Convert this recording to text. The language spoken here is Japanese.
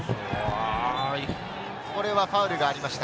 これはファウルがありました。